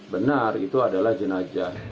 benar itu adalah jenazah